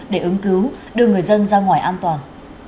để ứng cứu đưa người dân ra ngoài an toàn